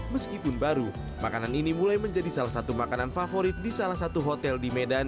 meskipun baru makanan ini mulai menjadi salah satu makanan favorit di salah satu hotel di medan